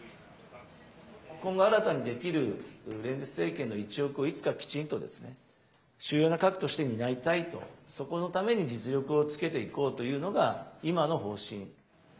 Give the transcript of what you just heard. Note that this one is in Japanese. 今後新たにできる連立政権の一翼をいつかきちんと主要な核として担いたいと、そこのために実力をつけていこうというのが、今の方針。